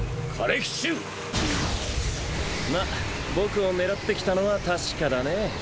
まっ僕を狙ってきたのは確かだね。